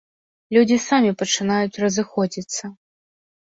Людзі самі пачынаюць разыходзіцца.